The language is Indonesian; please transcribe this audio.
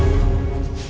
aku akan menjaga dia